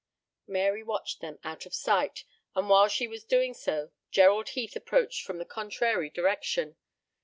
Mary watched them out of sight, and while she was doing so, Gerald Heath approached from the contrary direction.